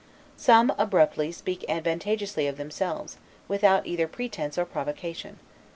Some, abruptly, speak advantageously of themselves, without either pretense or provocation.